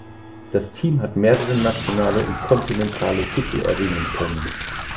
Das Team hat mehrere nationale und kontinentale Titel erringen können.